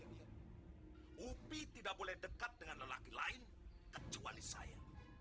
hai upi tidak boleh dekat dengan lelaki lain kecuali saya